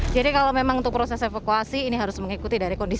jadi kalau memang untuk proses evakuasi ini harus mengikuti dari kondisi